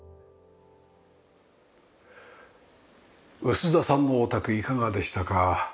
臼田さんのお宅いかがでしたか？